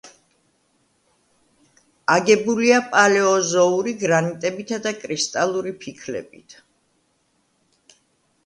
აგებულია პალეოზოური გრანიტებითა და კრისტალური ფიქლებით.